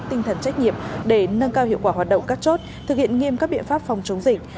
tinh thần trách nhiệm để nâng cao hiệu quả hoạt động các chốt thực hiện nghiêm các biện pháp phòng chống dịch